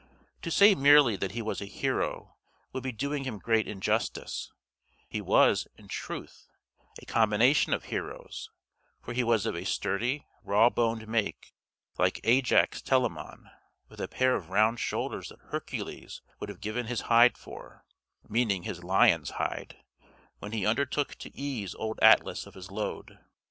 To say merely that he was a hero would be doing him great injustice; he was, in truth, a combination of heroes; for he was of a sturdy, raw boned make, like Ajax Telamon, with a pair of round shoulders that Hercules would have given his hide for (meaning his lion's hide) when he undertook to ease old Atlas of his load.